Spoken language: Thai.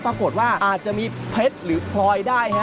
ปรากฏว่าอาจจะมีเพชรหรือพลอยได้ฮะ